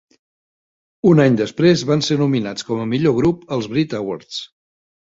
Un any després van ser nominats com a "Millor grup" als Brit Awards.